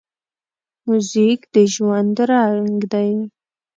موزیک د ژوند رنګ دی.